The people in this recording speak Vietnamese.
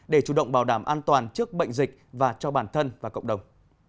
để chủ động bảo đảm an toàn trước bệnh dịch và cho bản thân và cộng đồng